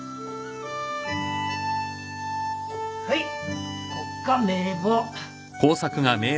はいこっが名簿。